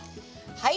はい。